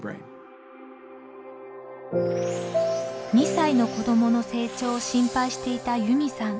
２歳の子どもの成長を心配していたＹｕｍｉさん。